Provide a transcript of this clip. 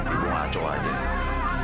ibu jangan berbicara